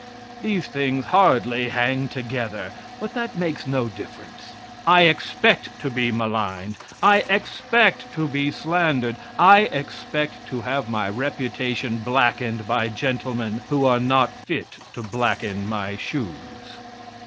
These things hardly hang together. But that makes no difference; I expect to be maligned; I expect to be slandered; I expect to have my reputation blackened by gentlemen who are not fit to blacken my shoes.